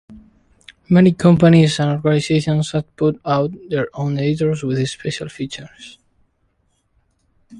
Many companies and organizations have put out their own editors with special features.